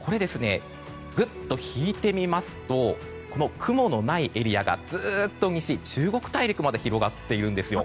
ぐっと引いて見てみますと雲のないエリアがずっと西、中国大陸まで広がっているんですよ。